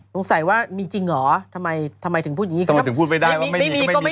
สงสัยว่ามีจริงเหรอทำไมทำไมถึงพูดอย่างนี้ทำไมถึงพูดไม่ได้ว่าไม่มีก็ไม่มี